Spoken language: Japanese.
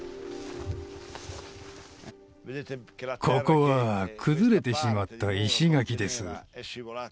ここは崩れてしまった石垣です